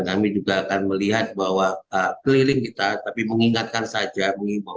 kami juga akan melihat bahwa keliling kita tapi mengingatkan saja mengimbau